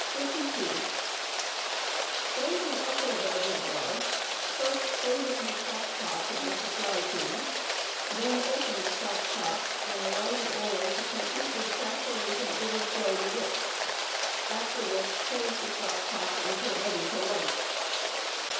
Eill the upper reservoir, first closing the stop cock in the supply tube; then .pjusngtheww. open the stop cock and allow the oil to completely saturate and overflow tKe wicks, •$£ §rp after which close the stop cock uniil ready to light.